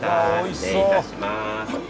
失礼いたします。